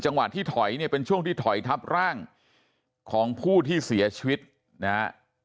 ที่ถอยเนี่ยเป็นช่วงที่ถอยทับร่างของผู้ที่เสียชีวิตนะฮะ